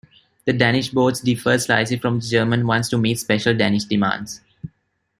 The Danish boats differed slightly from the German ones to meet special Danish demands.